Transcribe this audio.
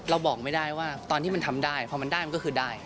บอกไม่ได้ว่าตอนที่มันทำได้พอมันได้มันก็คือได้